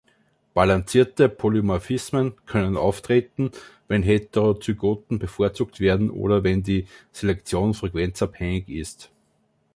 Balancierte Polymorphismen können auftreten, wenn Heterozygoten bevorzugt werden oder wenn die Selektion frequenzabhängig ist.